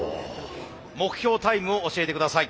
目標タイムを教えてください。